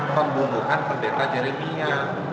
pembunuhan pendeta jeremia